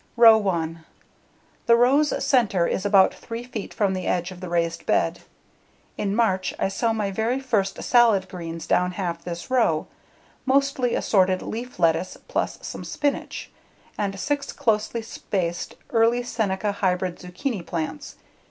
Row 1 The row's center is about 3 feet from the edge of the raised bed. In March I sow my very first salad greens down half this row mostly assorted leaf lettuce plus some spinach and six closely spaced early Seneca Hybrid zucchini plants.